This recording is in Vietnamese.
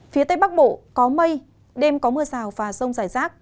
phía tây bắc bộ có mây đêm có mưa rào và rông rải rác